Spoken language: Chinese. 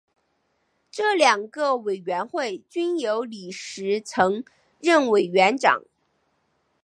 这两个委员会均由李石曾任委员长。